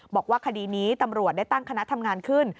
บอกว่าคดีนี้ตำรวจได้ตั้งคณะทำงานขึ้น